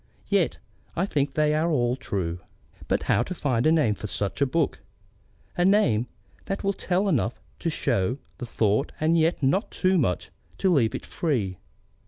Yet I think they are all true. But how to find a name for such a book, a name that will tell enough to show the thought and yet not too much to leave it free?